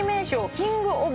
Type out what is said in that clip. キングオブ